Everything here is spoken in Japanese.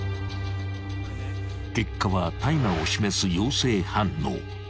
［結果は大麻を示す陽性反応。